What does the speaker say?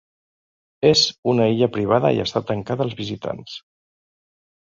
És una illa privada i està tancada als visitants.